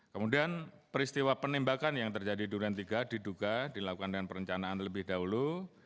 kemudian peristiwa penembakan yang terjadi di durian tiga diduga dilakukan dengan perencanaan lebih dahulu